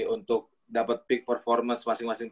untuk dapat peak performance masing masing